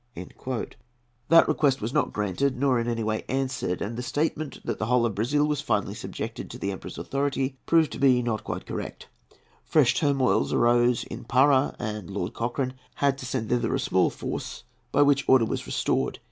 That request was not granted, or in any way answered; and the statement that the whole of Brazil was finally subjected to the Emperor's authority proved to be not quite correct. Fresh turmoils arose in Parà, and Lord Cochrane had to send thither a small force, by which order was restored.